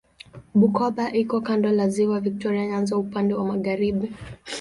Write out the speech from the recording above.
Bukoba iko kando la Ziwa Viktoria Nyanza upande wa magharibi.